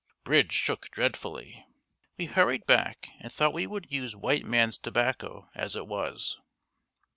Bridge shook dreadfully. We hurried back and thought we would use white man's tobacco as it was."